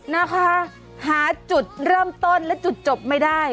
นะคะหาจุดเริ่มต้นและจุดจบไม่ได้